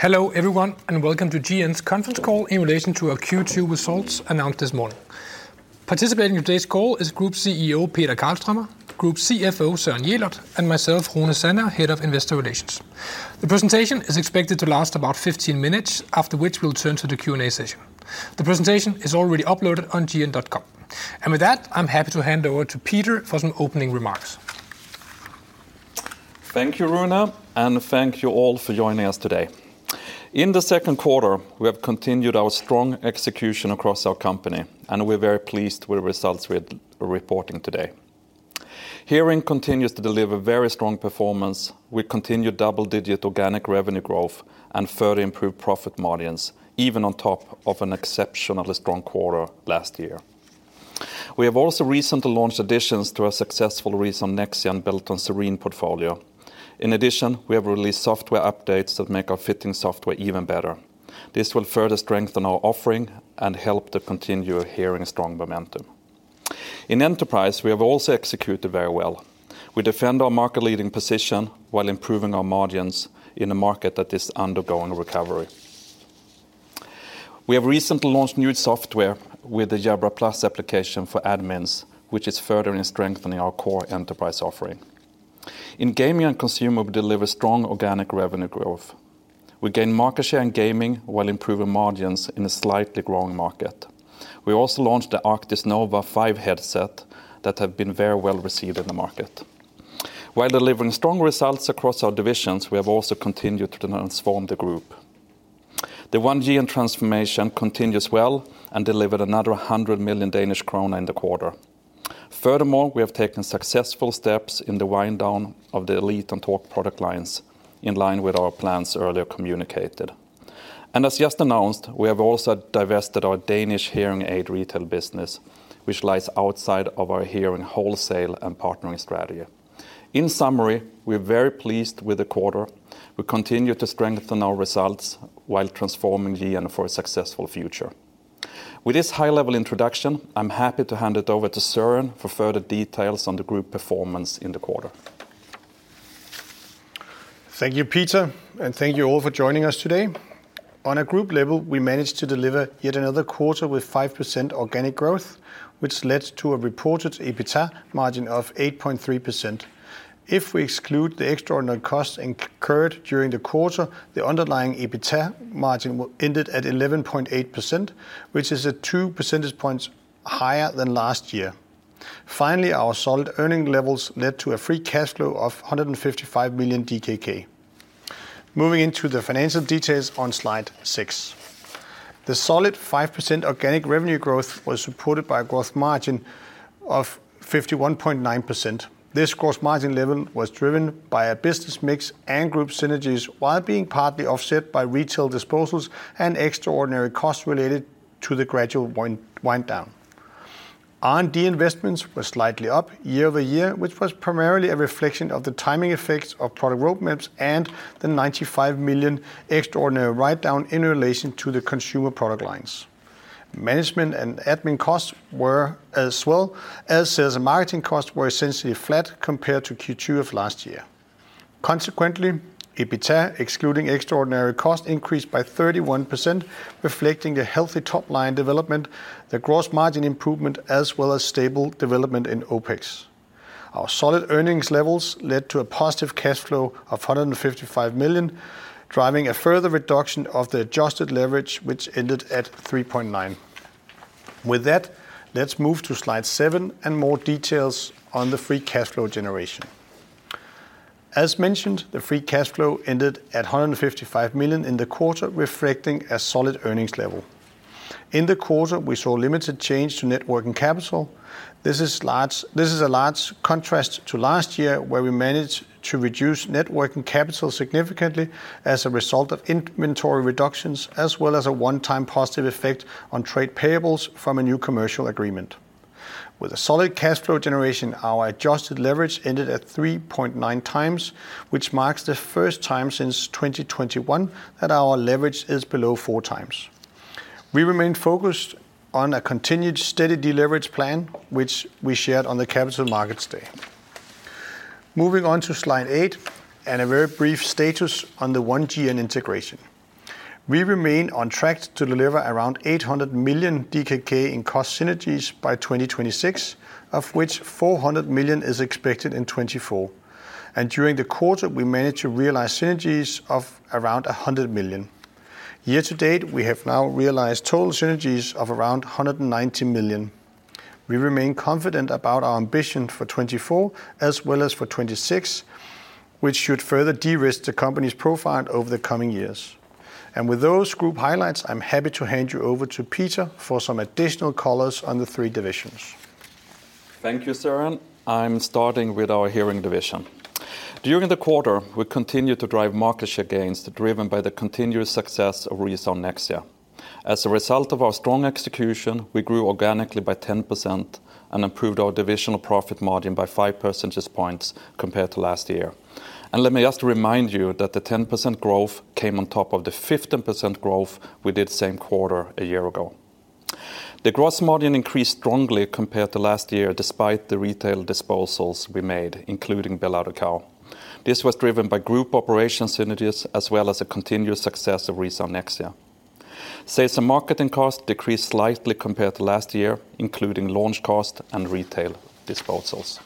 Hello, everyone, and welcome to GN's Conference Call in relation to our Q2 results announced this morning. Participating in today's call is Group CEO, Peter Karlströmer, Group CFO, Søren Jelert, and myself, Rune Sandager, Head of Investor Relations. The presentation is expected to last about 15 minutes, after which we'll turn to the Q&A session. The presentation is already uploaded on gn.com, and with that, I'm happy to hand over to Peter for Sam opening remarks. Thank you, Rune, and thank you all for joining us today. In the second quarter, we have continued our strong execution across our company, and we're very pleased with the results we're reporting today. Hearing continues to deliver very strong performance with continued double-digit organic revenue growth and further improved profit margins, even on top of an exceptionally strong quarter last year. We have also recently launched additions to our successful ReSound Nexia and Beltone Serene portfolio. In addition, we have released software updates that make our fitting software even better. This will further strengthen our offering and help to continue our hearing strong momentum. In Enterprise, we have also executed very well. We defend our market-leading position while improving our margins in a market that is undergoing recovery. We have recently launched new software with the Jabra+ application for admins, which is further strengthening our core enterprise offering. In Gaming and Consumer, we deliver strong organic revenue growth. We gain market share in gaming while improving margins in a slightly growing market. We also launched the Arctis Nova 5 headset that have been very well received in the market. While delivering strong results across our divisions, we have also continued to transform the group. The One GN transformation continues well and delivered another 100 million Danish krone in the quarter. Furthermore, we have taken successful steps in the wind down of the Elite and Talk product lines, in line with our plans earlier communicated, and as just announced, we have also divested our Danish hearing aid retail business, which lies outside of our hearing wholesale and partnering strategy. In summary, we're very pleased with the quarter. We continue to strengthen our results while transforming GN for a successful future. With this high-level introduction, I'm happy to hand it over to Søren for further details on the group performance in the quarter. Thank you, Peter, and thank you all for joining us today. On a group level, we managed to deliver yet another quarter with 5% organic growth, which led to a reported EBITDA margin of 8.3%. If we exclude the extraordinary costs incurred during the quarter, the underlying EBITDA margin ended at 11.8%, which is at two percentage points higher than last year. Finally, our solid earning levels led to a free cash flow of 155 million DKK. Moving into the financial details on slide six. The solid 5% organic revenue growth was supported by a gross margin of 51.9%. This gross margin level was driven by a business mix and group synergies, while being partly offset by retail disposals and extraordinary costs related to the gradual wind down. R&D investments were slightly up year-over-year, which was primarily a reflection of the timing effects of product roadmaps and the 95 million extraordinary write-down in relation to the consumer product lines. Management and admin costs were as well, as sales and marketing costs were essentially flat compared to Q2 of last year. Consequently, EBITDA, excluding extraordinary costs, increased by 31%, reflecting the healthy top-line development, the gross margin improvement, as well as stable development in OpEx. Our solid earnings levels led to a positive cash flow of 155 million, driving a further reduction of the adjusted leverage, which ended at 3.9. With that, let's move to slide 7 and more details on the free cash flow generation. As mentioned, the free cash flow ended at 155 million in the quarter, reflecting a solid earnings level. In the quarter, we saw limited change to net working capital. This is a large contrast to last year, where we managed to reduce net working capital significantly as a result of inventory reductions, as well as a one-time positive effect on trade payables from a new commercial agreement. With a solid cash flow generation, our adjusted leverage ended at 3.9 times, which marks the first time since 2021 that our leverage is below four times. We remain focused on a continued steady de-leverage plan, which we shared on the Capital Markets Day. Moving on to slide 8, and a very brief status on the One GN integration. We remain on track to deliver around 800 million DKK in cost synergies by 2026, of which 400 million is expected in 2024. During the quarter, we managed to realize synergies of around 100 million. Year to date, we have now realized total synergies of around 190 million. We remain confident about our ambition for 2024 as well as for 2026, which should further de-risk the company's profile over the coming years. With those group highlights, I'm happy to hand you over to Peter for some additional color on the three divisions. Thank you, Søren. I'm starting with our hearing division. During the quarter, we continued to drive market share gains, driven by the continuous success of ReSound Nexia. As a result of our strong execution, we grew organically by 10% and improved our divisional profit margin by five percentage points compared to last year. And let me just remind you that the 10% growth came on top of the 15% growth we did same quarter a year ago. The gross margin increased strongly compared to last year, despite the retail disposals we made, including BelAudição. This was driven by group operations synergies, as well as the continued success of ReSound Nexia. Sales and marketing costs decreased slightly compared to last year, including launch costs and retail disposals.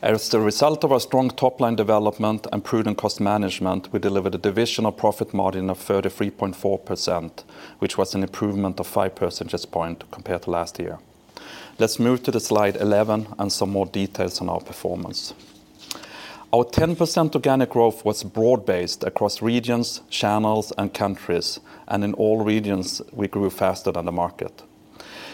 As the result of our strong top-line development and prudent cost management, we delivered a divisional profit margin of 33.4%, which was an improvement of five percentage points compared to last year. Let's move to the slide 11 and some more details on our performance. Our 10% organic growth was broad-based across regions, channels, and countries, and in all regions, we grew faster than the market.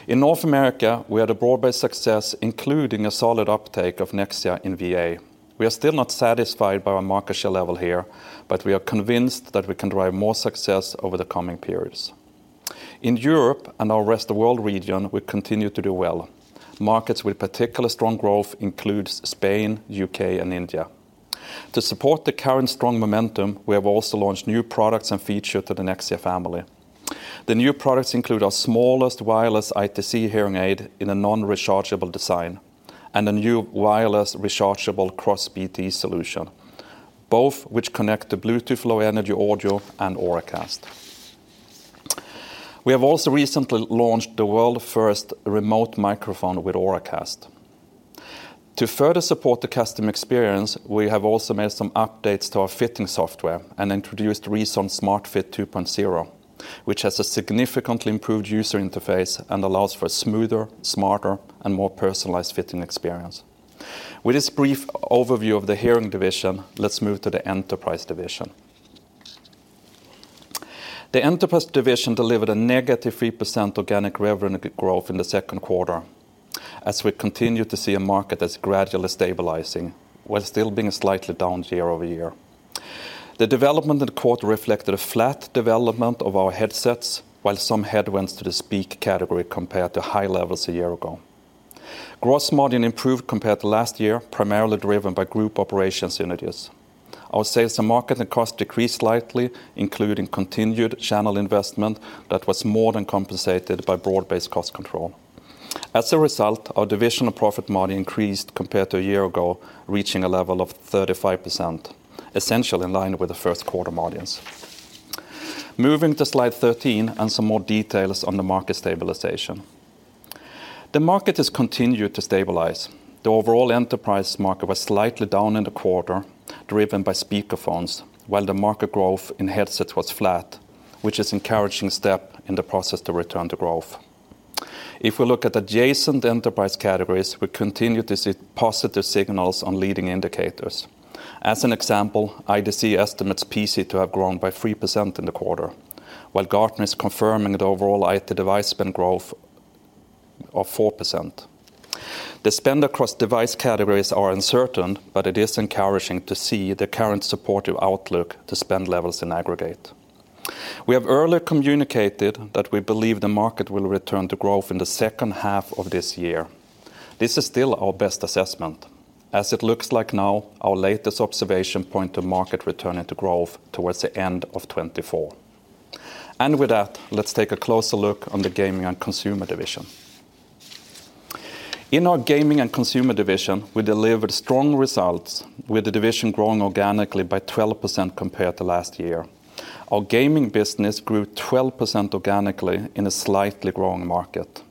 In North America, we had a broad-based success, including a solid uptake of Nexia in V.A. We are still not satisfied by our market share level here, but we are convinced that we can drive more success over the coming periods. In Europe and our Rest of World region, we continue to do well. Markets with particularly strong growth includes Spain, U.K., and India. To support the current strong momentum, we have also launched new products and features to the Nexia family. The new products include our smallest wireless ITC hearing aid in a non-rechargeable design, and a new wireless rechargeable CROS BT solution, both which connect to Bluetooth Low Energy Audio and Auracast. We have also recently launched the world's first remote microphone with Auracast. To further support the custom experience, we have also made some updates to our fitting software and introduced ReSound Smart Fit 2.0, which has a significantly improved user interface and allows for a smoother, smarter, and more personalized fitting experience. With this brief overview of the hearing division, let's move to the enterprise division. The enterprise division delivered a negative 3% organic revenue growth in the second quarter, as we continue to see a market that's gradually stabilizing, while still being slightly down year over year. The development in the quarter reflected a flat development of our headsets, while some headwinds to the Speak category compared to high levels a year ago. Gross margin improved compared to last year, primarily driven by group operations synergies. Our sales and marketing costs decreased slightly, including continued channel investment that was more than compensated by broad-based cost control. As a result, our divisional profit margin increased compared to a year ago, reaching a level of 35%, essentially in line with the first quarter margins. Moving to slide 13 and some more details on the market stabilization. The market has continued to stabilize. The overall enterprise market was slightly down in the quarter, driven by speakerphones, while the market growth in headsets was flat, which is encouraging step in the process to return to growth. If we look at adjacent enterprise categories, we continue to see positive signals on leading indicators. As an example, IDC estimates PC to have grown by 3% in the quarter, while Gartner is confirming the overall IT device spend growth of 4%. The spend across device categories are uncertain, but it is encouraging to see the current supportive outlook to spend levels in aggregate. We have earlier communicated that we believe the market will return to growth in the second half of this year. This is still our best assessment. As it looks like now, our latest observation point to market returning to growth towards the end of 2024. With that, let's take a closer look on the gaming and consumer division. In our gaming and consumer division, we delivered strong results, with the division growing organically by 12% compared to last year. Our gaming business grew 12% organically in a slightly growing market.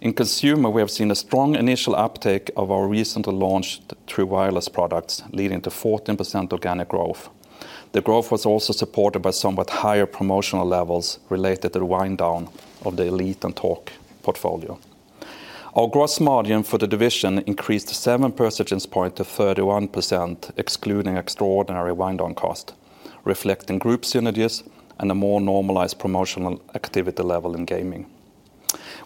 In consumer, we have seen a strong initial uptake of our recently launched true wireless products, leading to 14% organic growth. The growth was also supported by somewhat higher promotional levels related to the wind down of the Elite and Talk portfolio. Our gross margin for the division increased seven percentage point to 31%, excluding extraordinary wind down cost, reflecting group synergies and a more normalized promotional activity level in gaming.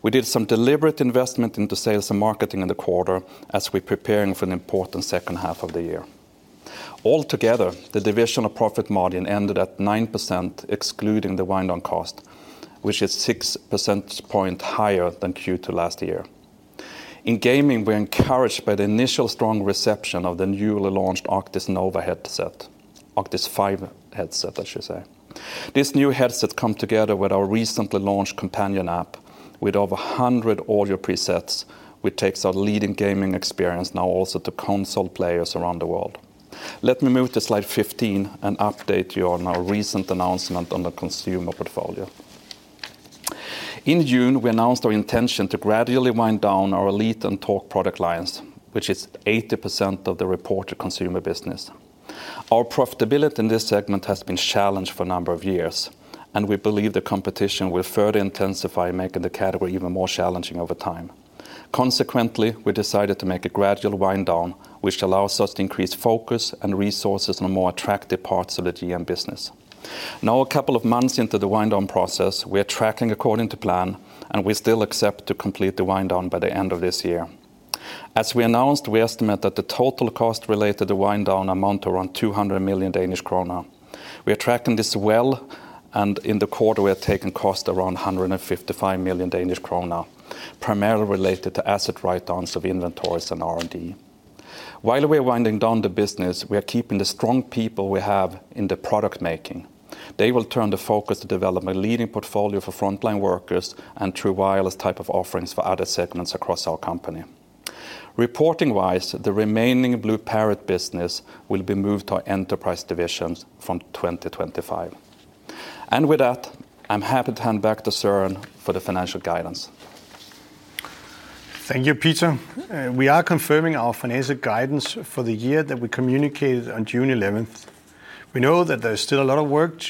We did some deliberate investment into sales and marketing in the quarter as we're preparing for an important second half of the year. Altogether, the divisional profit margin ended at 9%, excluding the wind down cost, which is six percentage points higher than Q2 last year. In gaming, we're encouraged by the initial strong reception of the newly launched Arctis Nova headset. Arctis 5 headset, I should say. This new headset comes together with our recently launched companion app with over 100 audio presets, which takes our leading gaming experience now also to console players around the world. Let me move to slide 15 and update you on our recent announcement on the consumer portfolio. In June, we announced our intention to gradually wind down our Elite and Talk product lines, which is 80% of the reported consumer business. Our profitability in this segment has been challenged for a number of years, and we believe the competition will further intensify, making the category even more challenging over time. Consequently, we decided to make a gradual wind down, which allows us to increase focus and resources on more attractive parts of the GN business. Now, a couple of months into the wind down process, we are tracking according to plan, and we still expect to complete the wind down by the end of this year. As we announced, we estimate that the total cost related to wind down amount to around 200 million Danish krone. We are tracking this well, and in the quarter, we have taken costs around 155 million Danish krone, primarily related to asset write-downs of inventories and R&D. While we're winding down the business, we are keeping the strong people we have in the product making. They will turn the focus to develop a leading portfolio for frontline workers and true wireless type of offerings for other segments across our company. Reporting-wise, the remaining BlueParrott business will be moved to our enterprise divisions from 2025. And with that, I'm happy to hand back to Søren for the financial guidance. Thank you, Peter. We are confirming our financial guidance for the year that we communicated on June eleventh. We know that there's still a lot of work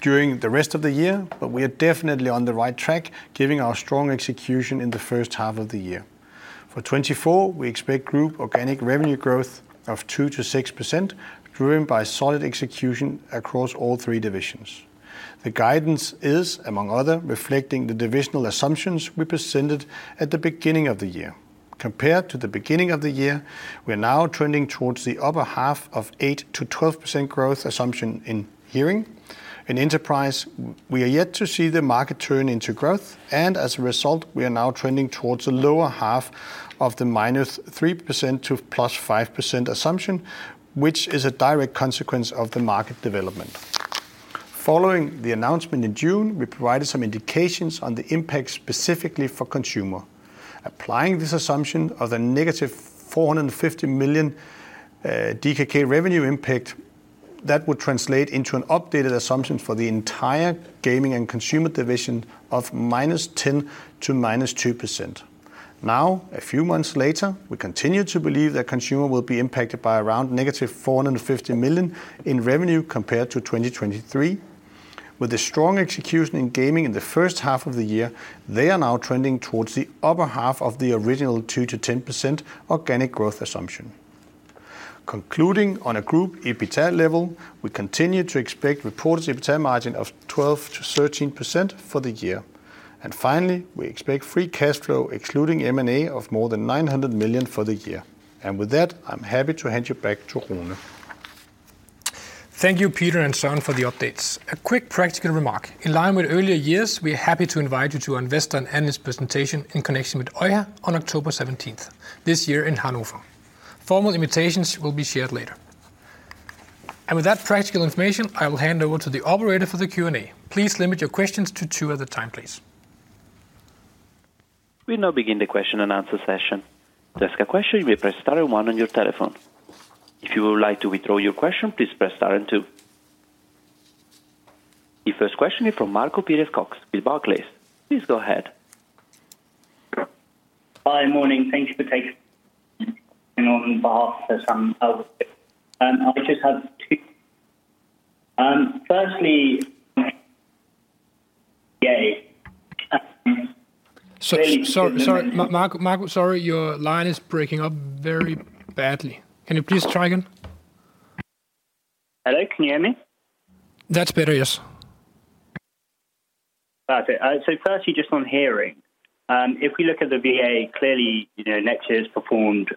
during the rest of the year, but we are definitely on the right track, given our strong execution in the first half of the year. For 2024, we expect group organic revenue growth of 2%-6%, driven by solid execution across all three divisions. The guidance is, among other things, reflecting the divisional assumptions we presented at the beginning of the year. Compared to the beginning of the year, we are now trending towards the upper half of the 8%-12% growth assumption in hearing. In enterprise, we are yet to see the market turn into growth, and as a result, we are now trending towards the lower half of the -3% to +5% assumption, which is a direct consequence of the market development. Following the announcement in June, we provided some indications on the impact, specifically for consumer. Applying this assumption of the -450 million DKK revenue impact, that would translate into an updated assumption for the entire gaming and consumer division of -10% to -2%. Now, a few months later, we continue to believe that consumer will be impacted by around -450 million in revenue compared to 2023. With the strong execution in gaming in the first half of the year, they are now trending towards the upper half of the original 2-10% organic growth assumption. Concluding on a group EBITDA level, we continue to expect reported EBITDA margin of 12-13% for the year. And finally, we expect free cash flow, excluding M&A, of more than 900 million for the year. And with that, I'm happy to hand you back to Rune. Thank you, Peter and Søren, for the updates. A quick practical remark: in line with earlier years, we are happy to invite you to our investor and analyst presentation in connection with EUHA on October seventeenth, this year in Hanover. Formal invitations will be shared later. And with that practical information, I will hand over to the operator for the Q&A. Please limit your questions to two at a time, please. We now begin the question and answer session. To ask a question, you may press star and one on your telephone. If you would like to withdraw your question, please press star and two. Your first question is from Hassan Al-Wakeel with Barclays. Please go ahead. Hi, morning. Thank you for asking on behalf of Sam. I just have two... Firstly, Sorry, Marco, sorry, your line is breaking up very badly. Can you please try again? Hello, can you hear me? That's better, yes. Got it. So firstly, just on hearing. If we look at the VA, clearly, you know, Nexia has performed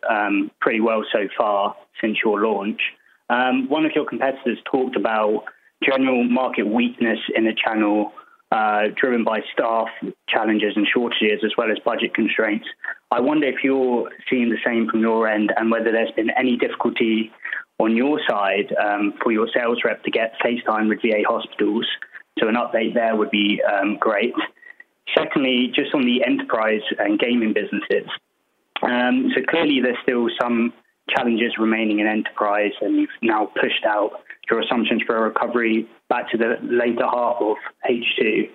pretty well so far since your launch. One of your competitors talked about general market weakness in the channel, driven by staff challenges and shortages, as well as budget constraints. I wonder if you're seeing the same from your end, and whether there's been any difficulty on your side, for your sales rep to get face time with VA hospitals, so an update there would be great. Secondly, just on the enterprise and gaming businesses. So clearly there's still some challenges remaining in enterprise, and you've now pushed out your assumptions for a recovery back to the latter half of H2.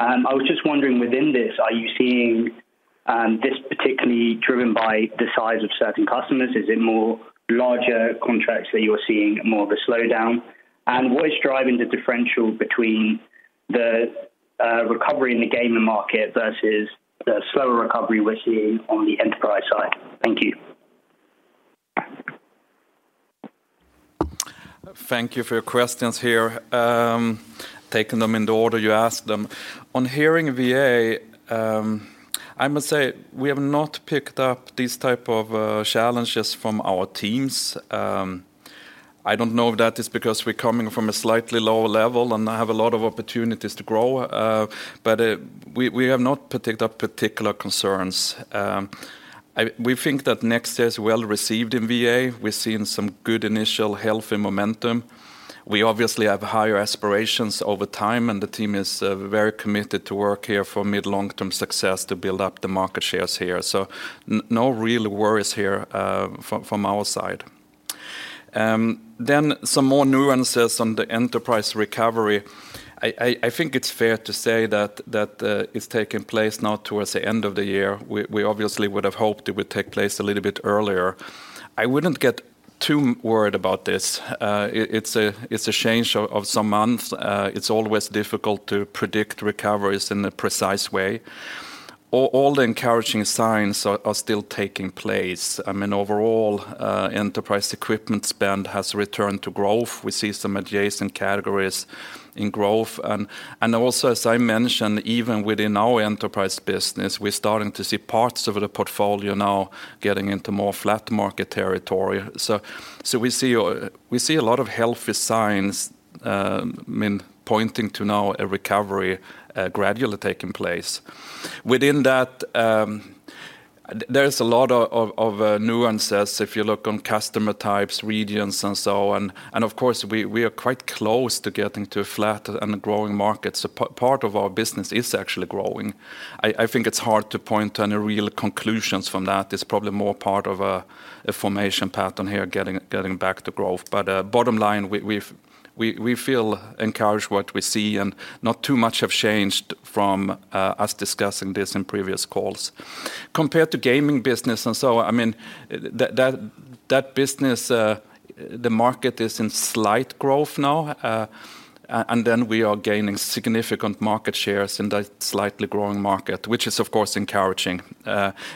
I was just wondering, within this, are you seeing this particularly driven by the size of certain customers? Is it more larger contracts that you're seeing more of a slowdown? And what is driving the differential between the recovery in the gaming market versus the slower recovery we're seeing on the enterprise side? Thank you. Thank you for your questions here. Taking them in the order you asked them. On hearing VA, I must say, we have not picked up these type of challenges from our teams. I don't know if that is because we're coming from a slightly lower level and have a lot of opportunities to grow, but we have not picked up particular concerns. We think that Nexia is well received in VA. We're seeing some good initial healthy momentum. We obviously have higher aspirations over time, and the team is very committed to work here for mid long-term success to build up the market shares here. So no real worries here, from our side. Then some more nuances on the enterprise recovery. I think it's fair to say that it's taking place now towards the end of the year. We obviously would have hoped it would take place a little bit earlier. I wouldn't get too worried about this. It's a change of some months. It's always difficult to predict recoveries in a precise way. All the encouraging signs are still taking place. I mean, overall, enterprise equipment spend has returned to growth. We see some adjacent categories in growth. And also, as I mentioned, even within our enterprise business, we're starting to see parts of the portfolio now getting into more flat market territory. So we see a lot of healthy signs, I mean, pointing to now a recovery gradually taking place. Within that, there's a lot of nuances if you look on customer types, regions, and so on, and of course, we are quite close to getting to a flat and a growing market, so part of our business is actually growing. I think it's hard to point to any real conclusions from that. It's probably more part of a formation pattern here, getting back to growth, bottom line, we feel encouraged what we see, and not too much have changed from us discussing this in previous calls compared to gaming business. I mean, that business, the market is in slight growth now, and then we are gaining significant market shares in that slightly growing market, which is, of course, encouraging.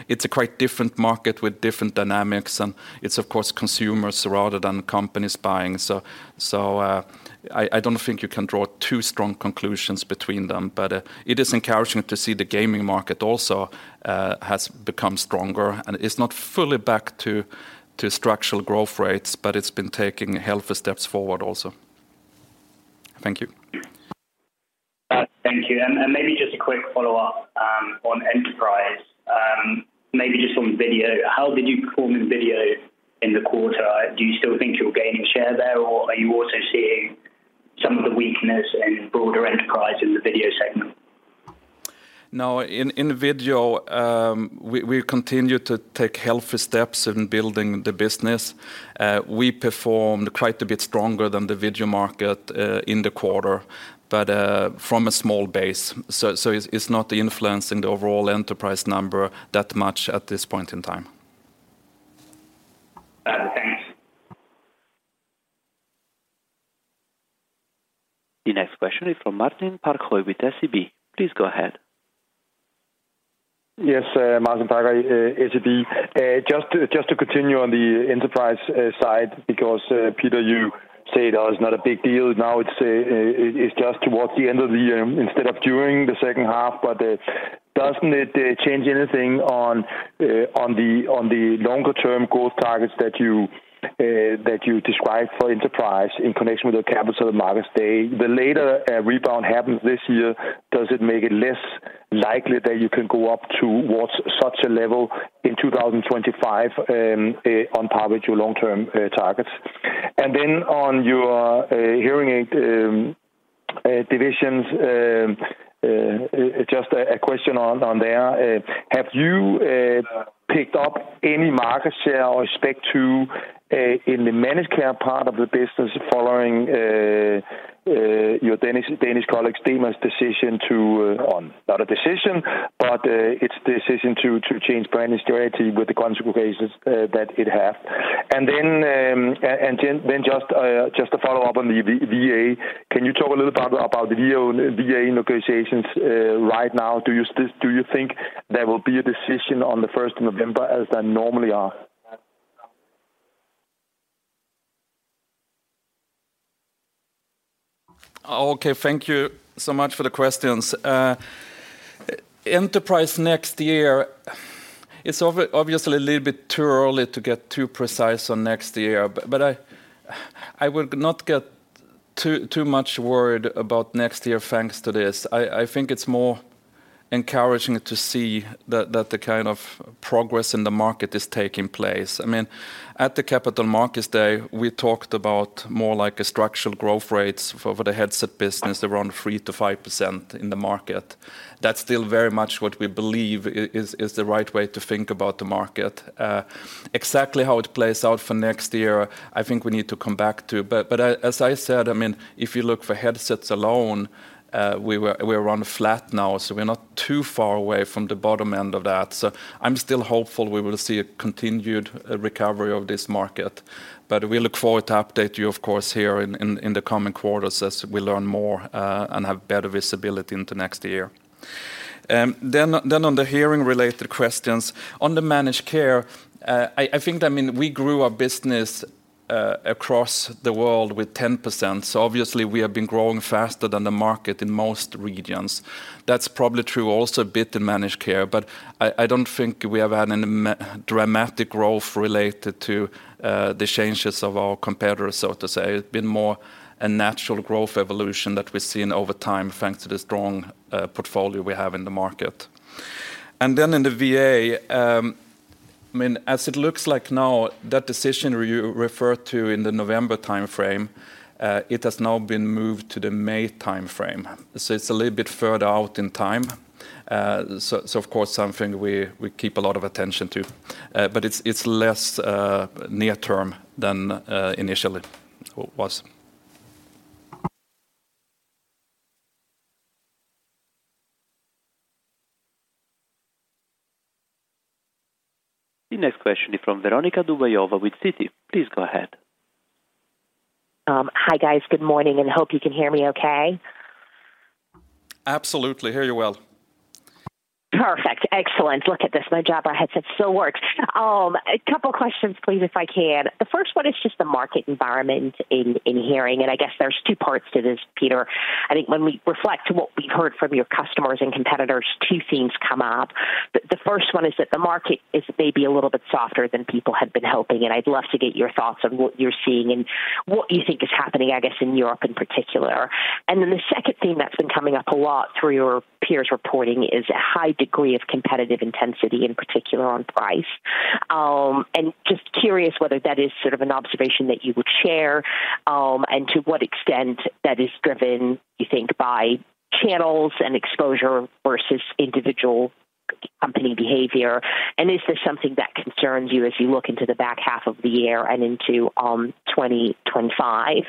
It's a quite different market with different dynamics, and it's of course, consumers rather than companies buying. So, I don't think you can draw too strong conclusions between them, but, it is encouraging to see the gaming market also, has become stronger, and it's not fully back to structural growth rates, but it's been taking healthy steps forward also. Thank you. Thank you. And maybe just a quick follow-up on enterprise. Maybe just on video. How did you perform in video in the quarter? Do you still think you're gaining share there, or are you also seeing some of the weakness in broader enterprise in the video segment? No, in video, we continue to take healthy steps in building the business. We performed quite a bit stronger than the video market, in the quarter, but from a small base. So, it's not influencing the overall enterprise number that much at this point in time. Uh, thanks. The next question is from Martin Parkhøi with SEB. Please go ahead. Yes, Martin Parkhøi, SEB. Just to continue on the enterprise side, because Peter, you say that it was not a big deal. Now, it's just towards the end of the year instead of during the second half, but doesn't it change anything on the longer-term growth targets that you described for enterprise in connection with the Capital Markets Day? The later rebound happens this year, does it make it less likely that you can go up towards such a level in two thousand and twenty-five, on par with your long-term targets? And then on your hearing aid divisions, just a question on there. Have you picked up any market share or spec to in the managed care part of the business following Demant's decision to not a decision, but its decision to change brand strategy with the consequences that it have? And then just to follow up on the VA, can you talk a little about the VA negotiations right now? Do you think there will be a decision on the first of November, as there normally are? Okay, thank you so much for the questions. Enterprise next year, it's obviously a little bit too early to get too precise on next year, but I would not get too much worried about next year, thanks to this. I think it's more encouraging to see that the kind of progress in the market is taking place. I mean, at the Capital Markets Day, we talked about more like a structural growth rates for the headset business, around 3%-5% in the market. That's still very much what we believe is the right way to think about the market. Exactly how it plays out for next year, I think we need to come back to. But as I said, I mean, if you look for headsets alone, we're on flat now, so we're not too far away from the bottom end of that. So I'm still hopeful we will see a continued recovery of this market. But we look forward to update you, of course, here in the coming quarters as we learn more and have better visibility into next year. Then on the hearing-related questions, on the managed care, I think, I mean, we grew our business across the world with 10%, so obviously, we have been growing faster than the market in most regions. That's probably true also a bit in managed care, but I don't think we have had any dramatic growth related to the changes of our competitors, so to say. It's been more a natural growth evolution that we've seen over time, thanks to the strong portfolio we have in the market, and then in the VA, I mean, as it looks like now, that decision you referred to in the November time frame, it has now been moved to the May time frame, so it's a little bit further out in time, so of course, something we keep a lot of attention to, but it's less near term than initially was. The next question is from Veronika Dubajova with Citi. Please go ahead. Hi, guys. Good morning, and hope you can hear me okay. Absolutely, hear you well. Perfect. Excellent. Look at this, my Jabra headset still works. A couple questions, please, if I can. The first one is just the market environment in hearing, and I guess there's two parts to this, Peter. I think when we reflect on what we've heard from your customers and competitors, two things come up. The first one is that the market is maybe a little bit softer than people had been hoping, and I'd love to get your thoughts on what you're seeing and what you think is happening, I guess, in Europe in particular. And then the second theme that's been coming up a lot through your peers reporting is a high degree of competitive intensity, in particular on price. And just curious whether that is sort of an observation that you would share, and to what extent that is driven, you think, by channels and exposure versus individual company behavior? And is this something that concerns you as you look into the back half of the year and into 2025?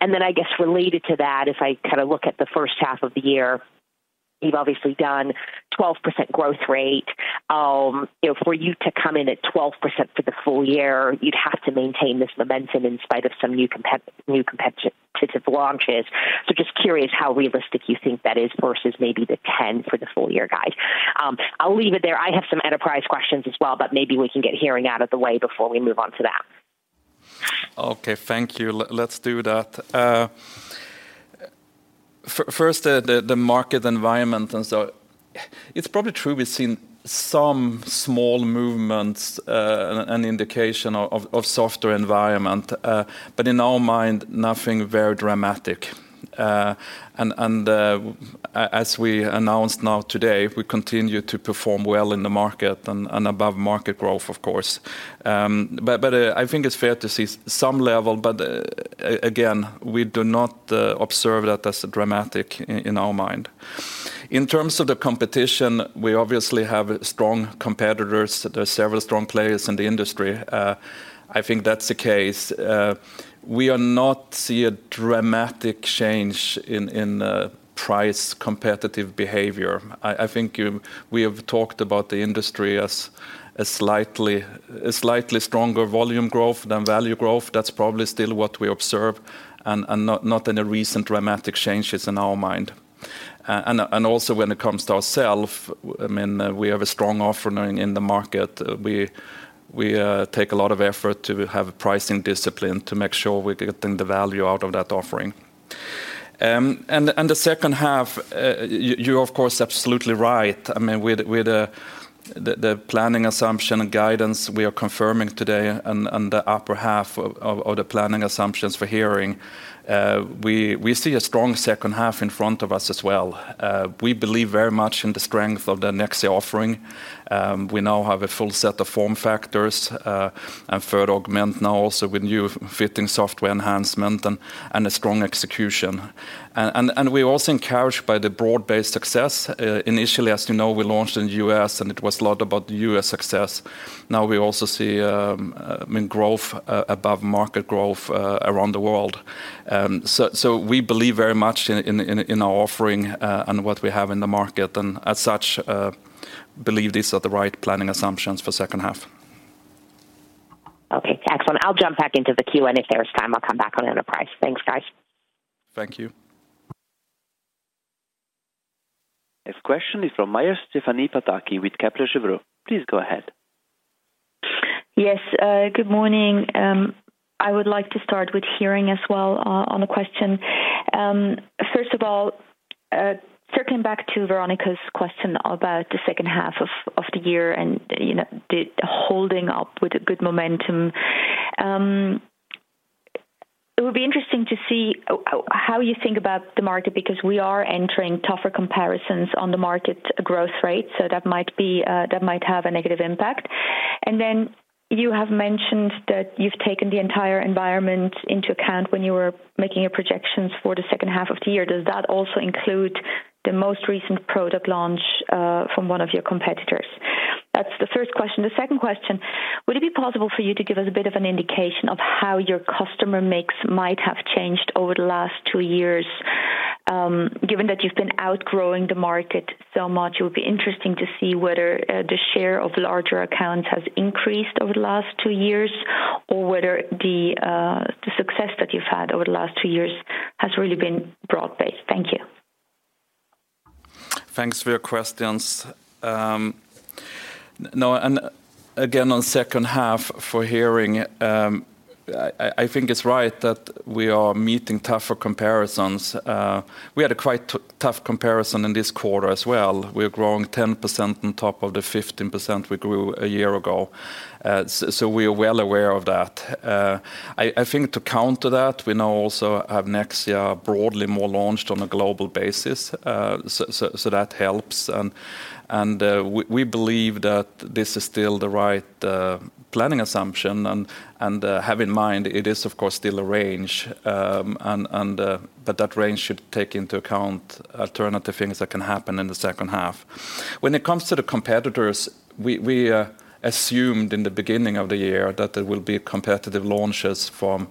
And then I guess related to that, if I kind of look at the first half of the year, you've obviously done 12% growth rate. You know, for you to come in at 12% for the full year, you'd have to maintain this momentum in spite of some new competitive launches. So just curious how realistic you think that is versus maybe the 10% for the full year guide. I'll leave it there. I have some enterprise questions as well, but maybe we can get hearing out of the way before we move on to that. Okay, thank you. Let's do that. First, the market environment, and so it's probably true we've seen some small movements, an indication of softer environment, but in our mind, nothing very dramatic. And as we announced today, we continue to perform well in the market and above market growth, of course. But I think it's fair to see some level, but again, we do not observe that as dramatic in our mind. In terms of the competition, we obviously have strong competitors. There are several strong players in the industry. I think that's the case. We are not see a dramatic change in price competitive behavior. I think we have talked about the industry as a slightly stronger volume growth than value growth. That's probably still what we observe, and not any recent dramatic changes in our mind. And also, when it comes to ourselves, I mean, we have a strong offering in the market. We take a lot of effort to have a pricing discipline to make sure we're getting the value out of that offering. And the second half, you're of course absolutely right. I mean, with the planning assumption and guidance we are confirming today and the upper half of the planning assumptions for hearing, we see a strong second half in front of us as well. We believe very much in the strength of the Nexia offering. We now have a full set of form factors, and the ReSound now also with new fitting software enhancement and we're also encouraged by the broad-based success. Initially, as you know, we launched in the US, and it was a lot about the US success. Now, we also see, I mean, growth above market growth around the world, so we believe very much in our offering, and what we have in the market, and as such, believe these are the right planning assumptions for second half. Okay, excellent. I'll jump back into the queue, and if there is time, I'll come back on the enterprise. Thanks, guys. Thank you. Next question is from Maja Pataki with Kepler Cheuvreux. Please go ahead. Yes, good morning. I would like to start with hearing as well, on the question. First of all, circling back to Veronica's question about the second half of the year and, you know, the holding up with a good momentum. It would be interesting to see how you think about the market, because we are entering tougher comparisons on the market growth rate, so that might be, that might have a negative impact. And then you have mentioned that you've taken the entire environment into account when you were making your projections for the second half of the year. Does that also include the most recent product launch, from one of your competitors? That's the first question. The second question, would it be possible for you to give us a bit of an indication of how your customer mix might have changed over the last two years? Given that you've been outgrowing the market so much, it would be interesting to see whether the share of larger accounts has increased over the last two years, or whether the success that you've had over the last two years has really been broad-based. Thank you. Thanks for your questions. No, and again, on second half for hearing, I think it's right that we are meeting tougher comparisons. We had a quite tough comparison in this quarter as well. We are growing 10% on top of the 15% we grew a year ago. So we are well aware of that. I think to counter that, we now also have Nexia broadly more launched on a global basis, so that helps. We believe that this is still the right planning assumption, and have in mind it is, of course, still a range, but that range should take into account alternative things that can happen in the second half. When it comes to the competitors, we assumed in the beginning of the year that there will be competitive launches from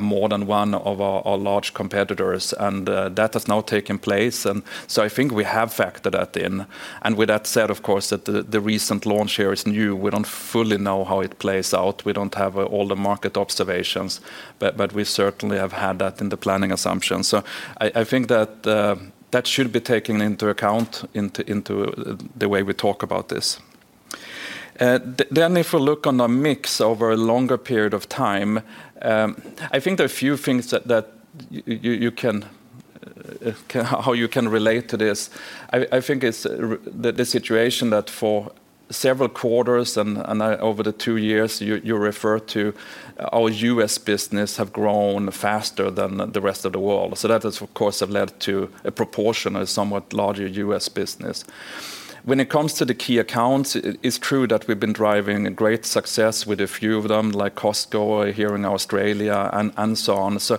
more than one of our large competitors, and that has now taken place, and so I think we have factored that in. And with that said, of course, that the recent launch here is new. We don't fully know how it plays out. We don't have all the market observations, but we certainly have had that in the planning assumptions. So I think that should be taken into account, into the way we talk about this. Then if we look on the mix over a longer period of time, I think there are a few things that you can... How you can relate to this. I think it's the situation that for several quarters and over the two years you refer to, our US business has grown faster than the rest of the world. So that has, of course, led to a proportion of somewhat larger US business. When it comes to the key accounts, it's true that we've been driving a great success with a few of them, like Costco here in Australia, and so on. So,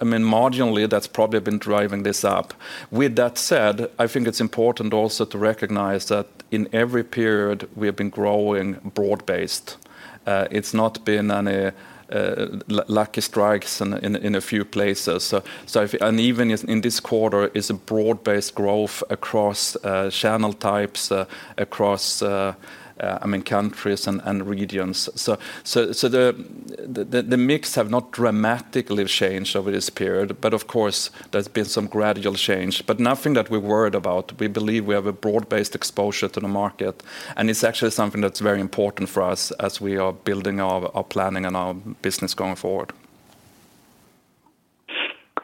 I mean, marginally, that's probably been driving this up. With that said, I think it's important also to recognize that in every period we have been growing broad-based. It's not been on a lucky strikes in a few places. So, and even if in this quarter, it's a broad-based growth across channel types, across I mean countries and regions. So, the mix have not dramatically changed over this period, but of course, there's been some gradual change, but nothing that we're worried about. We believe we have a broad-based exposure to the market, and it's actually something that's very important for us as we are building our planning and our business going forward.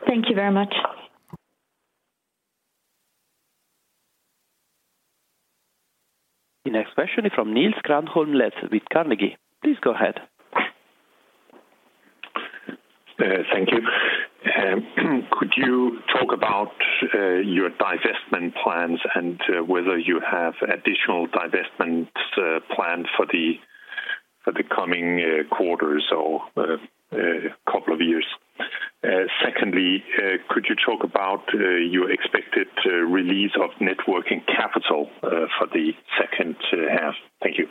Thank you very much. The next question is from Niels Granholm-Leth with Carnegie. Please go ahead. Thank you. Could you talk about your divestment plans, and whether you have additional divestment plans for the coming quarters or couple of years? Secondly, could you talk about your expected release of net working capital for the second half? Thank you.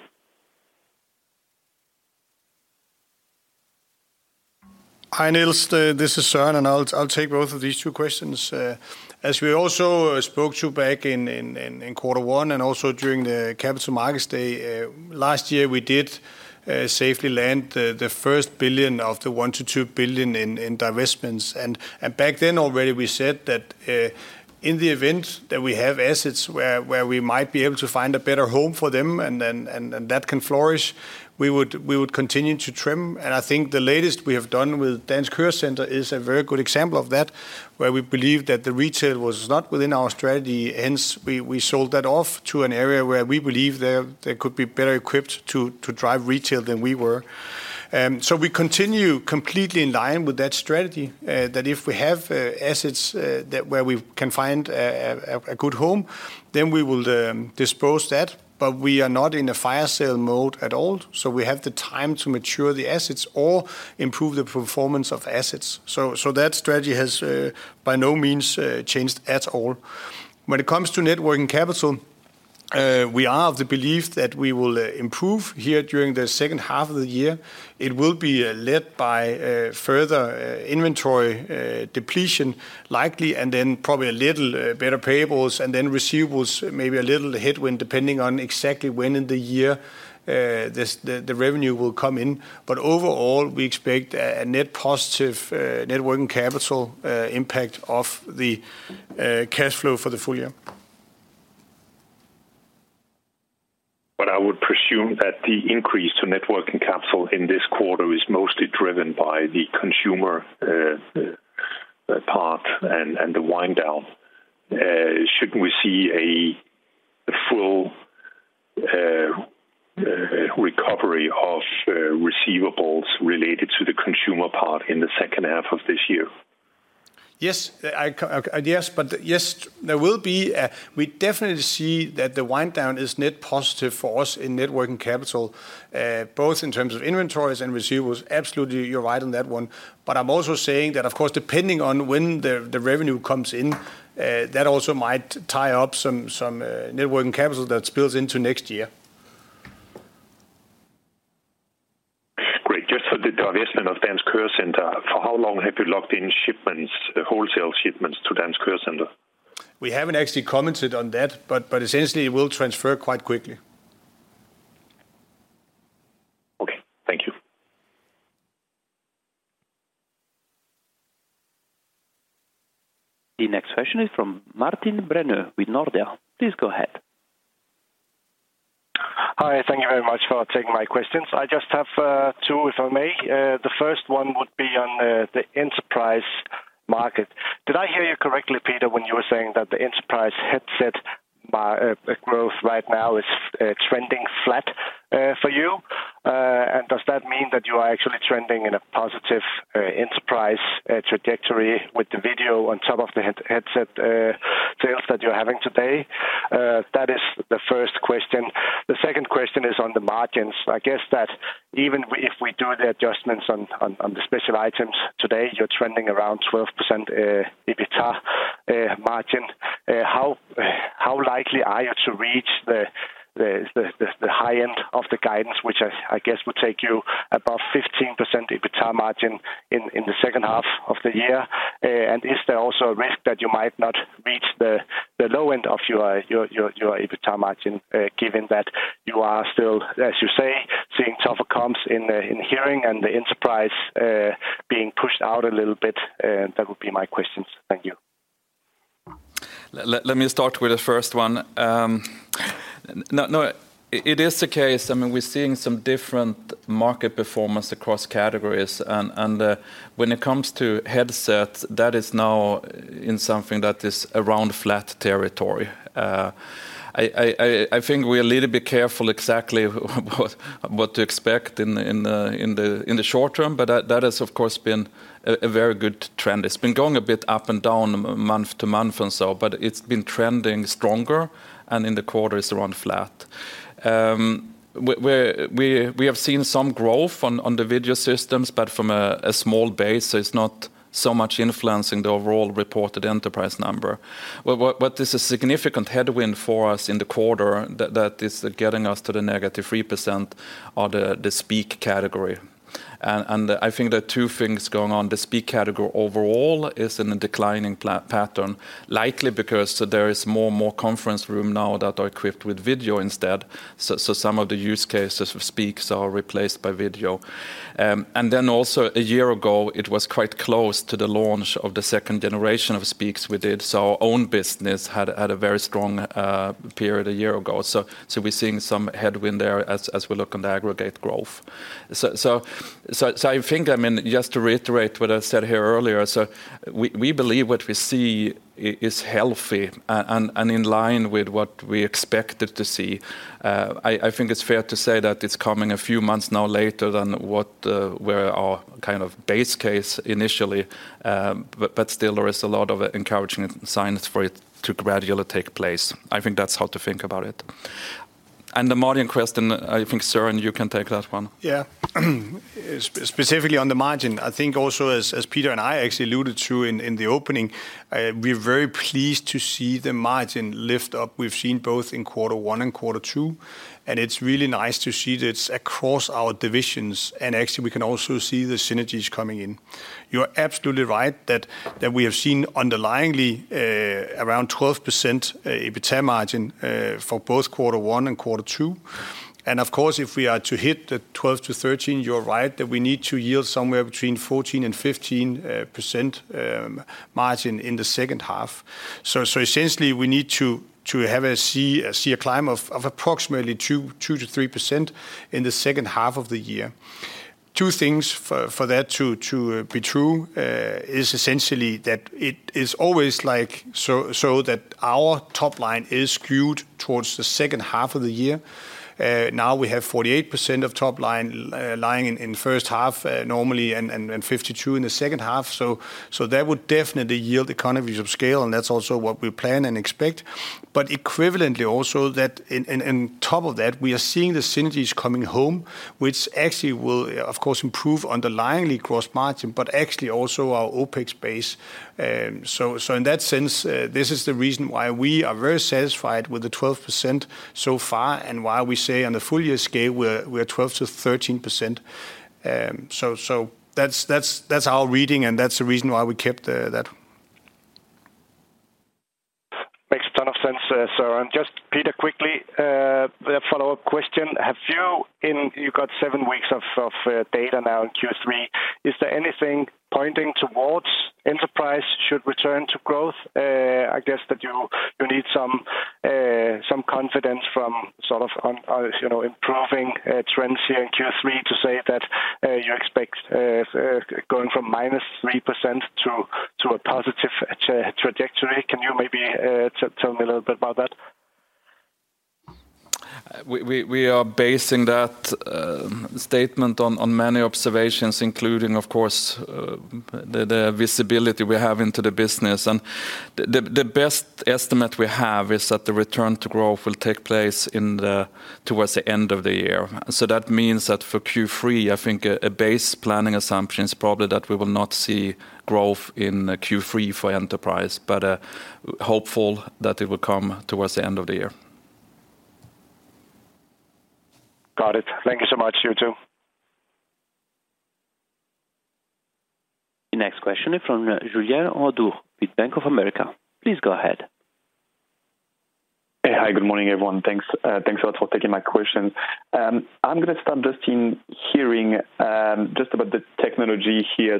Hi, Niels, this is Søren, and I'll take both of these two questions. As we also spoke to back in quarter one, and also during the Capital Markets Day last year, we did safely land the first billion of the 1-2 billion in divestments. Back then already we said that in the event that we have assets where we might be able to find a better home for them, and then that can flourish, we would continue to trim. I think the latest we have done with Dansk HøreCenter is a very good example of that, where we believe that the retail was not within our strategy. Hence, we sold that off to an area where we believe they could be better equipped to drive retail than we were. So we continue completely in line with that strategy, that if we have assets that where we can find a good home, then we will dispose that. But we are not in a fire sale mode at all, so we have the time to mature the assets or improve the performance of assets. So that strategy has, by no means, changed at all. When it comes to net working capital, we are of the belief that we will improve here during the second half of the year. It will be led by further inventory depletion, likely, and then probably a little better payables, and then receivables, maybe a little headwind, depending on exactly when in the year this the revenue will come in. But overall, we expect a net positive net working capital impact of the cash flow for the full year. But I would presume that the increase to net working capital in this quarter is mostly driven by the consumer part and the wind down. Shouldn't we see a full recovery of receivables related to the consumer part in the second half of this year? Yes, but yes, there will be, we definitely see that the wind down is net positive for us in net working capital, both in terms of inventories and receivables. Absolutely, you're right on that one. But I'm also saying that, of course, depending on when the revenue comes in, that also might tie up some net working capital that spills into next year. Great. Just for the divestment of Dansk HøreCenter, for how long have you locked in shipments, wholesale shipments to Dansk HøreCenter? We haven't actually commented on that, but essentially, it will transfer quite quickly. Okay. Thank you. The next question is from Martin Brenøe with Nordea. Please go ahead. Hi, thank you very much for taking my questions. I just have two, if I may. The first one would be on the enterprise market. Did I hear you correctly, Peter, when you were saying that the enterprise headset market growth right now is trending flat for you, and does that mean that you are actually trending in a positive enterprise trajectory with the video on top of the headset sales that you're having today? That is the first question. The second question is on the margins. I guess that even if we do the adjustments on the special items today, you're trending around 12% EBITDA margin. How likely are you to reach the high end of the guidance, which I guess would take you above 15% EBITDA margin in the second half of the year? And is there also a risk that you might not reach the low end of your EBITDA margin, given that you are still, as you say, seeing tougher comps in hearing and the enterprise, being pushed out a little bit? That would be my questions. Thank you. Let me start with the first one. No, no, it is the case, I mean, we're seeing some different market performance across categories, and, and, when it comes to headsets, that is now in something that is around flat territory. I think we are a little bit careful exactly what to expect in the short term, but that has, of course, been a very good trend. It's been going a bit up and down month to month and so, but it's been trending stronger, and in the quarter is around flat. We have seen some growth on the video systems, but from a small base, so it's not so much influencing the overall reported enterprise number. But what is a significant headwind for us in the quarter, that is getting us to the negative 3%, are the speak category. And I think there are two things going on. The speak category overall is in a declining pattern, likely because there is more and more conference rooms now that are equipped with video instead. So some of the use cases of Speaks are replaced by video. And then also, a year ago, it was quite close to the launch of the second generation of Speaks we did, so our own business had a very strong period a year ago. So we're seeing some headwind there as we look on the aggregate growth. So I think, I mean, just to reiterate what I said here earlier, so we believe what we see is healthy and in line with what we expected to see. I think it's fair to say that it's coming a few months now later than what were our kind of base case initially. But still, there is a lot of encouraging signs for it to gradually take place. I think that's how to think about it. And the margin question, I think, Søren, you can take that one. Yeah. Specifically on the margin, I think also as Peter and I actually alluded to in the opening, we're very pleased to see the margin lift up. We've seen both in quarter one and quarter two, and it's really nice to see that it's across our divisions, and actually, we can also see the synergies coming in. You're absolutely right that we have seen underlyingly around 12% EBITDA margin for both quarter one and quarter two. Of course, if we are to hit the 12%-13%, you're right that we need to yield somewhere between 14%-15% margin in the second half. So essentially, we need to see a climb of approximately 2%-3% in the second half of the year. Two things for that to be true is essentially that it is always like, so that our top line is skewed towards the second half of the year. Now we have 48% of top line lying in first half normally, and 52 in the second half, so that would definitely yield economies of scale, and that's also what we plan and expect. But equivalently also that on top of that, we are seeing the synergies coming home, which actually will, of course, improve underlyingly gross margin, but actually also our OpEx base. So in that sense, this is the reason why we are very satisfied with the 12% so far, and while we say on the full year scale, we're 12%-13%. So that's our reading, and that's the reason why we kept that. Makes a ton of sense, Søren. Just Peter, quickly, a follow-up question: Have you got seven weeks of data now in Q3, is there anything pointing towards enterprise should return to growth? I guess that you need some confidence from sort of on, on, you know, improving trends here in Q3 to say that you expect going from minus 3% to a positive trajectory. Can you maybe tell me a little bit about that? We are basing that statement on many observations, including of course the visibility we have into the business. And the best estimate we have is that the return to growth will take place towards the end of the year. So that means that for Q3, I think a base planning assumption is probably that we will not see growth in Q3 for enterprise, but hopeful that it will come towards the end of the year. Got it. Thank you so much, you two. The next question is from Julien Ouaddour with Bank of America. Please go ahead. Hey, hi, good morning, everyone. Thanks, thanks a lot for taking my questions. I'm gonna start just in hearing, just about the technology here.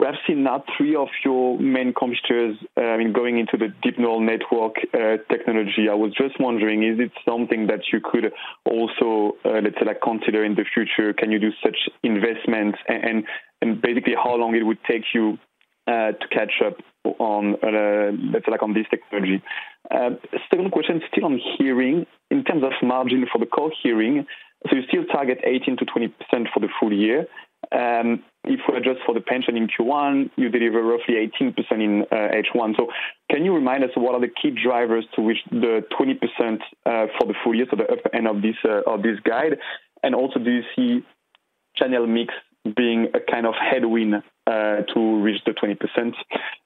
So we're seeing now three of your main competitors, I mean, going into the deep neural network technology. I was just wondering, is it something that you could also, let's say, like, consider in the future? Can you do such investments? And basically, how long it would take you to catch up on, let's say, like, on this technology. Second question, still on hearing, in terms of margin for the core hearing, so you still target 18%-20% for the full year. If we adjust for the pension in Q1, you deliver roughly 18% in H1. So can you remind us what are the key drivers to which the 20% for the full year, so the upper end of this of this guide? And also, do you see channel mix being a kind of headwind to reach the 20%?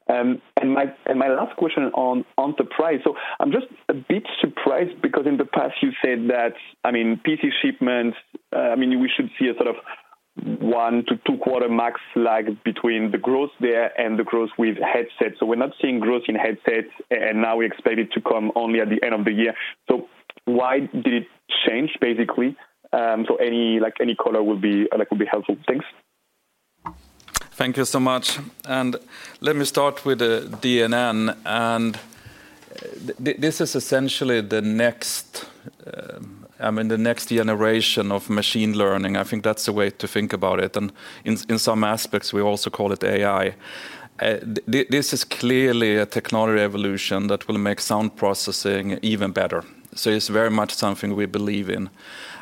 And my last question on enterprise. So I'm just a bit surprised, because in the past you said that, I mean, PC shipments, I mean, we should see a sort of one to two quarter max lag between the growth there and the growth with headsets. So we're not seeing growth in headsets, and now we expect it to come only at the end of the year. So why did it change, basically? So any like any color would be like helpful. Thanks. ...Thank you so much, and let me start with the DNN, and this is essentially the next, I mean, the next generation of machine learning. I think that's the way to think about it, and in some aspects, we also call it AI. This is clearly a technology evolution that will make sound processing even better, so it's very much something we believe in.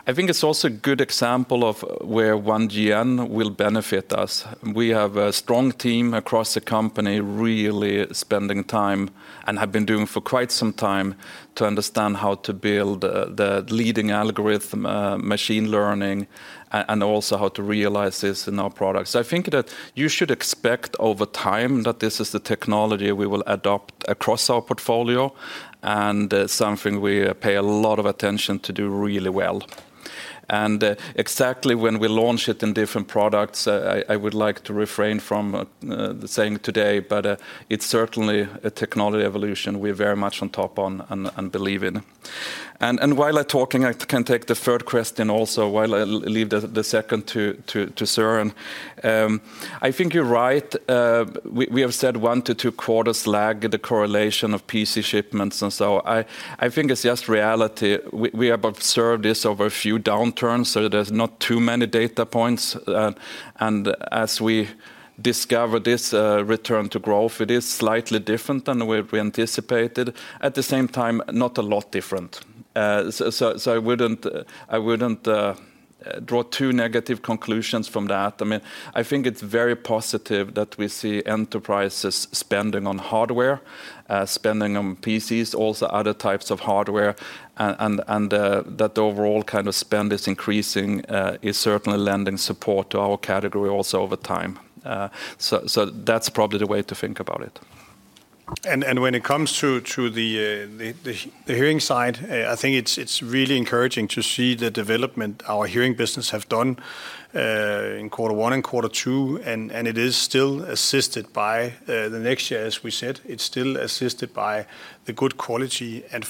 I think it's also a good example of where One GN will benefit us. We have a strong team across the company really spending time, and have been doing for quite some time, to understand how to build the leading algorithm, machine learning, and also how to realize this in our products. I think that you should expect over time that this is the technology we will adopt across our portfolio, and something we pay a lot of attention to do really well. Exactly when we launch it in different products, I would like to refrain from saying today, but it's certainly a technology evolution we're very much on top on and believe in. While I talking, I can take the third question also, while I leave the second to Søren. I think you're right. We have said one to two quarters lag the correlation of PC shipments, and so I think it's just reality. We have observed this over a few downturns, so there's not too many data points. And as we discover this return to growth, it is slightly different than the way we anticipated. At the same time, not a lot different. So I wouldn't draw two negative conclusions from that. I mean, I think it's very positive that we see enterprises spending on hardware, spending on PCs, also other types of hardware, and that overall kind of spend is increasing, is certainly lending support to our category also over time. So that's probably the way to think about it. When it comes to the hearing side, I think it's really encouraging to see the development our hearing business have done in quarter one and quarter two, and it is still assisted by Nexia, as we said. It's still assisted by the good quality. And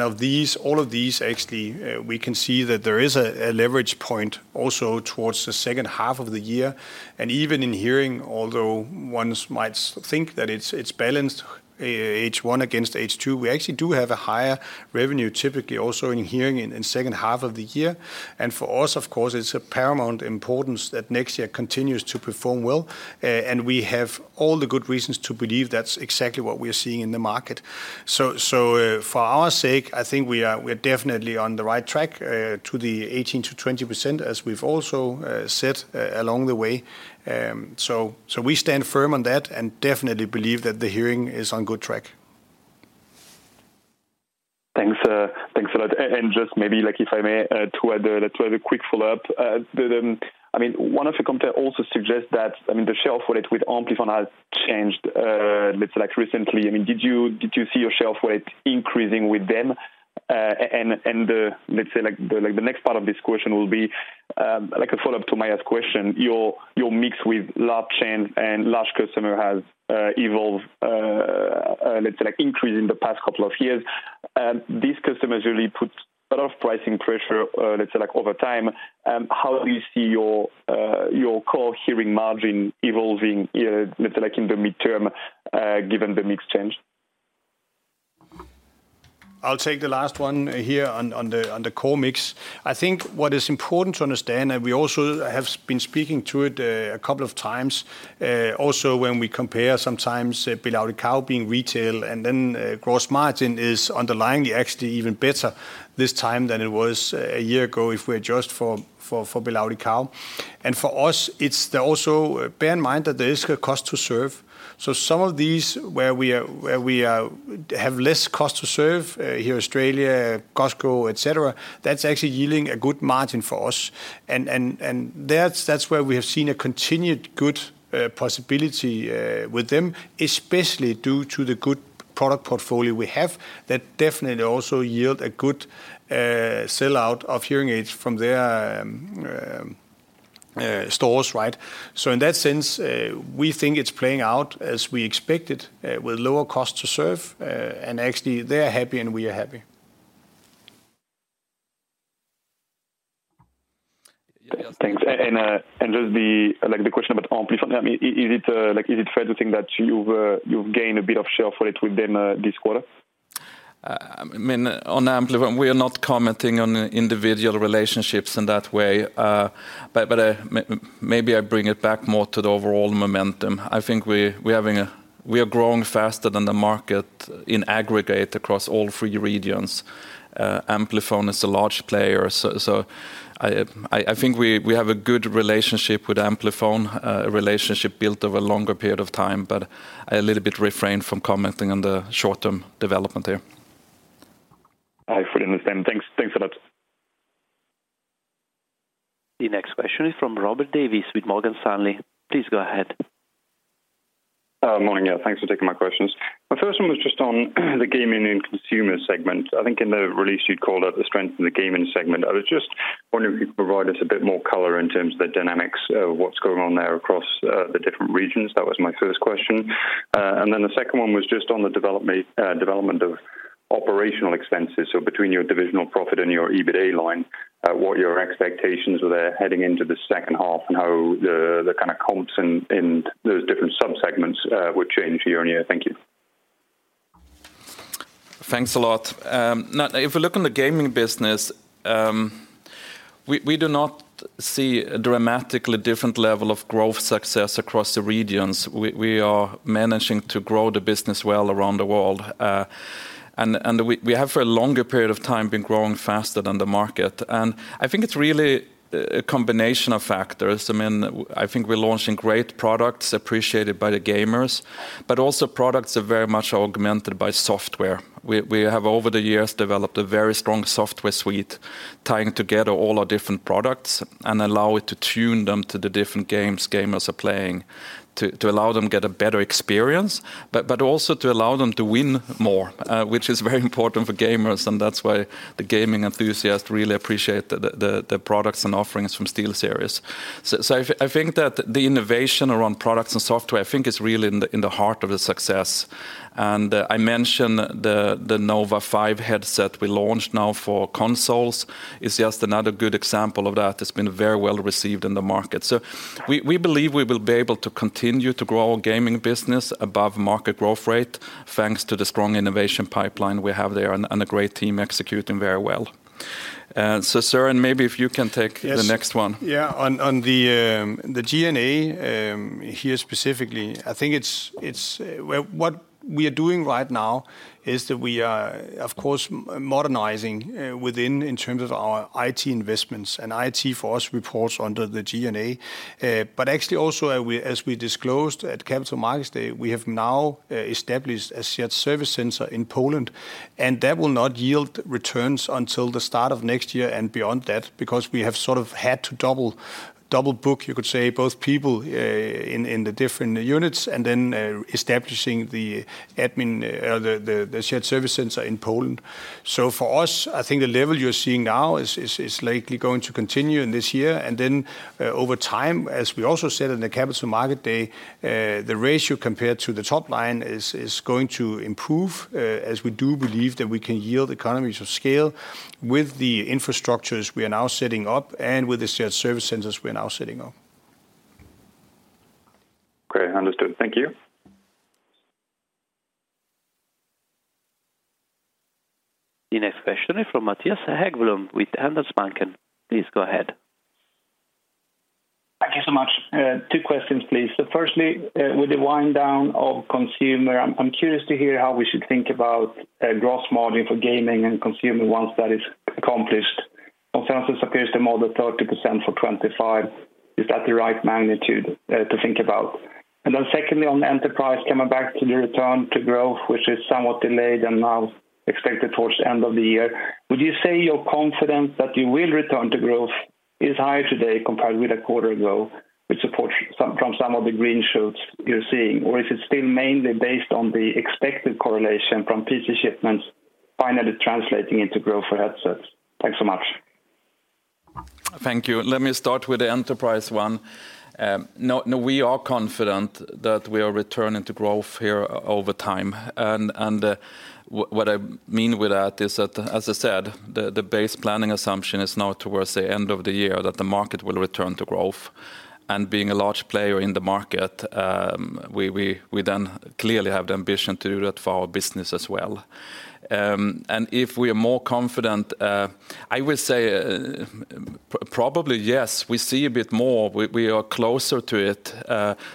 of these, all of these, actually, we can see that there is a leverage point also towards the second half of the year. Even in hearing, although one might think that it's balanced, H1 against H2, we actually do have a higher revenue, typically also in hearing in second half of the year. And for us, of course, it's a paramount importance that next year continues to perform well, and we have all the good reasons to believe that's exactly what we are seeing in the market. So, for our sake, I think we're definitely on the right track to the 18%-20%, as we've also said along the way. So, we stand firm on that and definitely believe that the hearing is on good track. Thanks, thanks a lot. And just maybe, like, if I may, to add a quick follow-up. But, I mean, one of the company also suggest that, I mean, the sharehold with Amplifon has changed, let's say, like, recently. I mean, did you, did you see your share increasing with them? And, and, let's say, like, the next part of this question will be, like a follow-up to Maja's question, your mix with large chain and large customer has evolved, let's say, like, increased in the past couple of years. These customers really put a lot of pricing pressure, let's say, like, over time. How do you see your core hearing margin evolving, let's say, like, in the midterm, given the mix change? I'll take the last one here on the core mix. I think what is important to understand, and we also have been speaking to it a couple of times, also when we compare sometimes, BelAudição being retail, and then gross margin is underlying actually even better this time than it was a year ago, if we adjust for BelAudição. And for us, it's also, bear in mind that there is a cost to serve. So some of these, where we have less cost to serve, here, Australia, Costco, et cetera, that's actually yielding a good margin for us. And that's where we have seen a continued good possibility with them, especially due to the good product portfolio we have, that definitely also yield a good sellout of hearing aids from their stores, right? So in that sense, we think it's playing out as we expected, with lower cost to serve, and actually, they are happy, and we are happy. Thanks. And just the, like, the question about Amplifon, I mean, is it, like, is it fair to think that you've gained a bit of share for it with them, this quarter? I mean, on Amplifon, we are not commenting on individual relationships in that way, but maybe I bring it back more to the overall momentum. I think we are growing faster than the market in aggregate across all three regions. Amplifon is a large player, so I think we have a good relationship with Amplifon, a relationship built over a longer period of time, but a little bit refrained from commenting on the short-term development there. I fully understand. Thanks. Thanks a lot. The next question is from Robert Davies with Morgan Stanley. Please go ahead. Morning, yeah. Thanks for taking my questions. My first one was just on the gaming and consumer segment. I think in the release you'd called out the strength in the gaming segment. I was just wondering if you could provide us a bit more color in terms of the dynamics of what's going on there across the different regions. That was my first question. And then the second one was just on the development of operational expenses. So between your divisional profit and your EBITDA line, what your expectations are there heading into the second half, and how the kind of comps in those different sub-segments would change year on year? Thank you. Thanks a lot. Now, if we look in the gaming business, we do not see a dramatically different level of growth success across the regions. We are managing to grow the business well around the world. We have, for a longer period of time, been growing faster than the market. I think it's really a combination of factors. I mean, I think we're launching great products appreciated by the gamers, but also products are very much augmented by software. We have, over the years, developed a very strong software suite, tying together all our different products and allow it to tune them to the different games gamers are playing, to allow them get a better experience, but also to allow them to win more, which is very important for gamers, and that's why the gaming enthusiasts really appreciate the products and offerings from SteelSeries. I think that the innovation around products and software, I think, is really in the heart of the success. I mentioned the Nova 5 headset we launched now for consoles is just another good example of that. It's been very well received in the market. So we believe we will be able to continue to grow our gaming business above market growth rate, thanks to the strong innovation pipeline we have there, and a great team executing very well. Søren, maybe if you can take- Yes. the next one. Yeah, on the G&A here specifically, I think it's well what we are doing right now is that we are, of course, modernizing in terms of our IT investments, and IT for us reports under the G&A, but actually also, as we disclosed at Capital Markets Day, we have now established a shared service center in Poland, and that will not yield returns until the start of next year and beyond that, because we have sort of had to double book, you could say, both people in the different units, and then establishing the admin the shared service center in Poland, so for us, I think the level you're seeing now is likely going to continue in this year. Over time, as we also said in the Capital Market Day, the ratio compared to the top line is going to improve, as we do believe that we can yield economies of scale with the infrastructures we are now setting up and with the shared service centers we're now setting up. Great. Understood. Thank you. The next question is from Mattias Häggblom, with Handelsbanken. Please go ahead. Thank you so much. Two questions, please. So firstly, with the wind down of consumer, I'm curious to hear how we should think about gross margin for gaming and consumer once that is accomplished. Consensus appears to be more than 30% for 2025. Is that the right magnitude to think about? And then secondly, on enterprise, coming back to the return to growth, which is somewhat delayed and now expected towards the end of the year, would you say your confidence that you will return to growth is higher today compared with a quarter ago, with support from some of the green shoots you're seeing? Or is it still mainly based on the expected correlation from PC shipments finally translating into growth for headsets? Thanks so much. Thank you. Let me start with the enterprise one. No, no, we are confident that we are returning to growth here over time. And what I mean with that is that, as I said, the base planning assumption is now towards the end of the year, that the market will return to growth. And being a large player in the market, we then clearly have the ambition to do that for our business as well. And if we are more confident, I will say, probably, yes, we see a bit more. We are closer to it.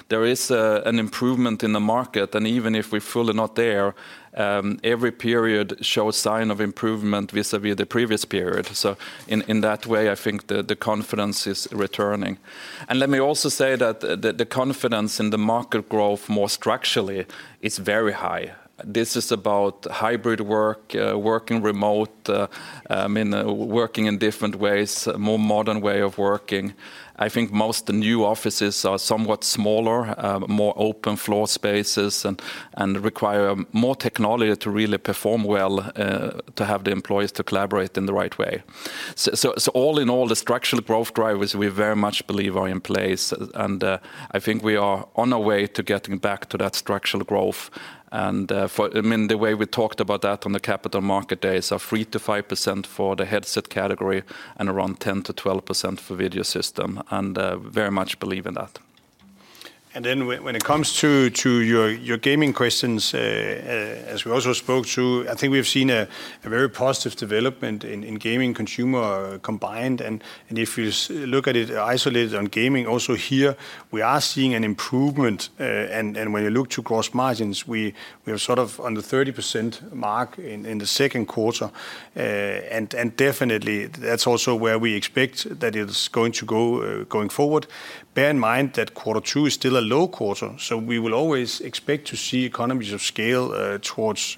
There is an improvement in the market, and even if we're fully not there, every period shows sign of improvement vis-à-vis the previous period. So in that way, I think the confidence is returning. Let me also say that the confidence in the market growth, more structurally, is very high. This is about hybrid work, working remote, I mean, working in different ways, a more modern way of working. I think most of the new offices are somewhat smaller, more open floor spaces, and require more technology to really perform well, to have the employees collaborate in the right way. So all in all, the structural growth drivers we very much believe are in place, and I think we are on our way to getting back to that structural growth. And I mean, the way we talked about that on the Capital Market Days are 3-5% for the headset category, and around 10-12% for video system, and very much believe in that. And then when it comes to your gaming questions, as we also spoke to, I think we've seen a very positive development in gaming, consumer combined. And if you look at it isolated on gaming, also here, we are seeing an improvement. And when you look to gross margins, we are sort of on the 30% mark in the second quarter. And definitely, that's also where we expect that it's going to go going forward. Bear in mind that quarter two is still a low quarter, so we will always expect to see economies of scale towards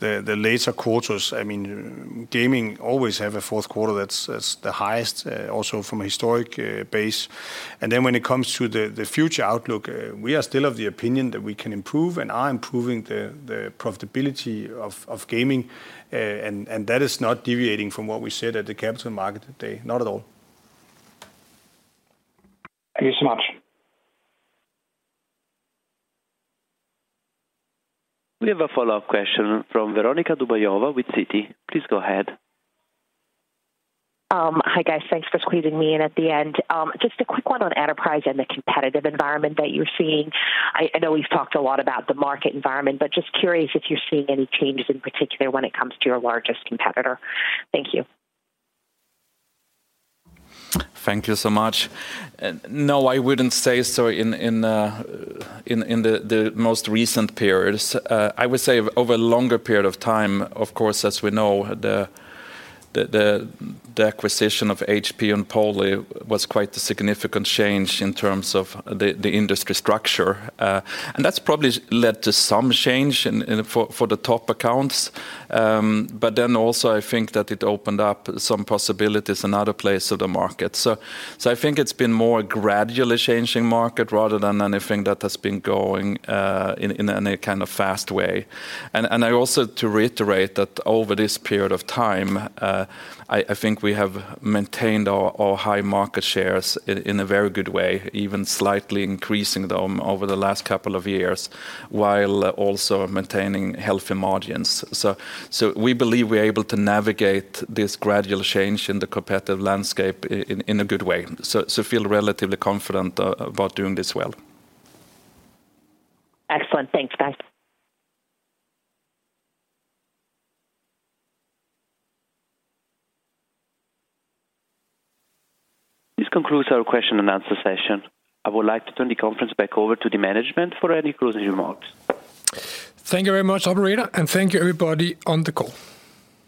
the later quarters. I mean, gaming always have a fourth quarter that's the highest, also from a historic base. And then when it comes to the future outlook, we are still of the opinion that we can improve and are improving the profitability of gaming, and that is not deviating from what we said at the Capital Markets Day. Not at all. ... Thank you so much. We have a follow-up question from Veronika Dubajova with Citi. Please go ahead. Hi, guys. Thanks for squeezing me in at the end. Just a quick one on enterprise and the competitive environment that you're seeing. I know we've talked a lot about the market environment, but just curious if you're seeing any changes in particular when it comes to your largest competitor. Thank you. Thank you so much. No, I wouldn't say so in the most recent periods. I would say over a longer period of time, of course, as we know, the acquisition of HP and Poly was quite a significant change in terms of the industry structure. And that's probably led to some change in the top accounts, but then also I think that it opened up some possibilities in other places of the market, so I think it's been more a gradually changing market rather than anything that has been going in any kind of fast way. I also to reiterate that over this period of time, I think we have maintained our high market shares in a very good way, even slightly increasing them over the last couple of years, while also maintaining healthy margins. We believe we're able to navigate this gradual change in the competitive landscape in a good way, so feel relatively confident about doing this well. Excellent. Thanks, guys. This concludes our question-and-answer session. I would like to turn the conference back over to the management for any closing remarks. Thank you very much, operator, and thank you, everybody, on the call.